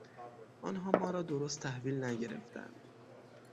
آنها ما را درست تحویل نگرفتند.